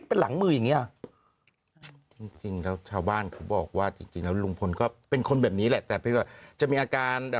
เป็นพระเอก